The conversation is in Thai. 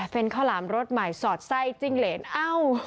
เป็นข้าวหลามรสใหม่สอดไส้จิ้งเหรนเอ้า